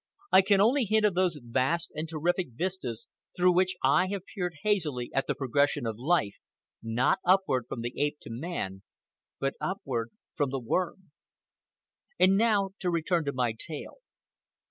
I can only hint of those vast and terrific vistas through which I have peered hazily at the progression of life, not upward from the ape to man, but upward from the worm. And now to return to my tale.